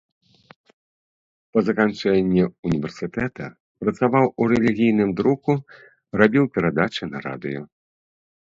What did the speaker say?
Па заканчэнні ўн-та працаваў у рэлігійным друку, рабіў перадачы на радыё.